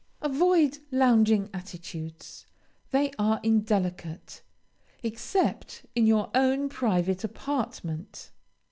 Avoid lounging attitudes, they are indelicate, except in your own private apartment.